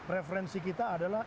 referensi kita adalah